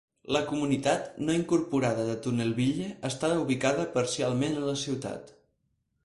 La comunitat no incorporada de Tunnelville està ubicada parcialment a la ciutat.